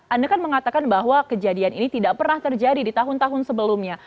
anda kan mengatakan bahwa kejadian ini tidak pernah terjadi di tahun tahun sebelumnya